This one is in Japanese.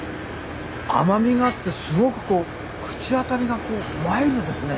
甘みがあってすごくこう口当たりがマイルドですね。